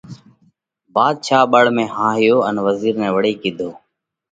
ڀاڌشا ٻۯ ۾ هاهيو ان وزِير نئہ وۯي ڪِيڌو: